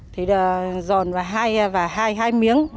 thì dồn vào hai miếng